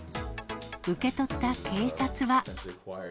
受け取った警察は。